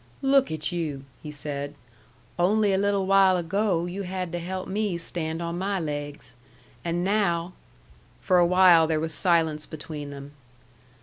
"Look at you!" he said. "Only a little while ago you had to help me stand on my laigs. And now " For a while there was silence between them.